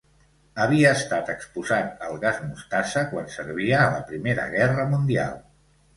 Havia estat exposat al gas mostassa quan servia a la Primera Guerra Mundial.